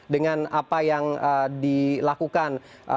dengan apa yang dilakukan